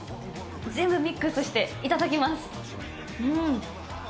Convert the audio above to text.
全部ミックスしていただきます。